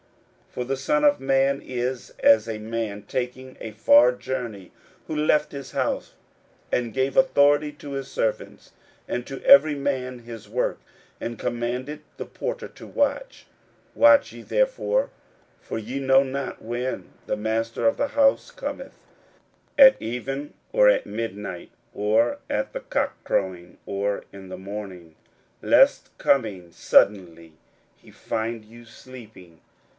41:013:034 For the Son of Man is as a man taking a far journey, who left his house, and gave authority to his servants, and to every man his work, and commanded the porter to watch. 41:013:035 Watch ye therefore: for ye know not when the master of the house cometh, at even, or at midnight, or at the cockcrowing, or in the morning: 41:013:036 Lest coming suddenly he find you sleeping.